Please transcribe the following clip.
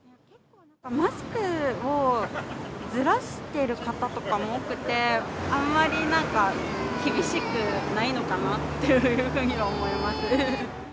マスクをずらしてる方とかも多くて、あんまりなんか、厳しくないのかなっていうふうには思います。